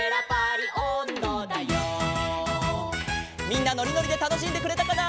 みんなのりのりでたのしんでくれたかな？